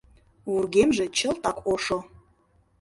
Вургемже чылтак ошо.